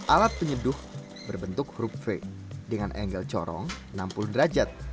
alat penyeduh berbentuk rupve dengan engel corong enam puluh derajat